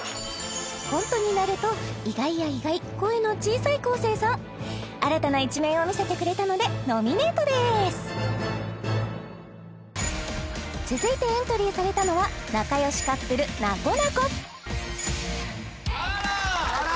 コントになると意外や意外声の小さい昴生さん新たな一面を見せてくれたのでノミネートです続いてエントリーされたのは仲良しカップルなこなこあら！